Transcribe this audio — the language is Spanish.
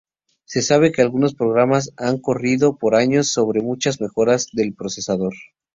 Se sabe que algunos programas han corrido por años sobre muchas mejoras del procesador.